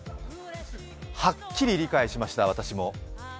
はっきり理解しました、私も。